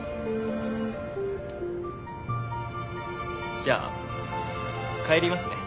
じゃあ帰りますね。